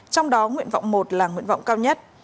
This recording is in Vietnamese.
trong đó nguyện vọng một là nguyện vọng cao nhất